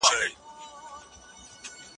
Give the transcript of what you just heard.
بل مضمون او بل كتاب دئ